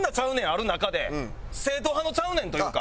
ある中で正統派の「ちゃうねん」というか。